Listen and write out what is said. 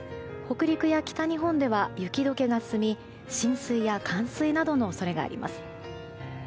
北陸や北日本では雪解けが進み浸水や冠水などの恐れがあります。